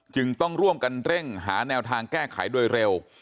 จึงต้องร่วมกันเร่งหาแนวทางแก้ไขโดยเร็ว